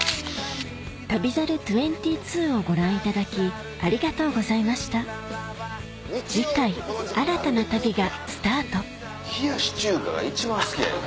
『旅猿２２』をご覧いただきありがとうございました冷やし中華が一番好きや言うた。